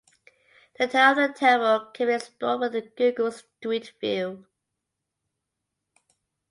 The interior of the temple can be explored with Google Street View.